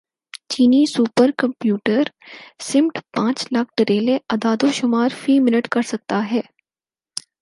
چینی super computer summit پانچ lakh trillion اعدادوشمار فی منٹ کر سکتا ہے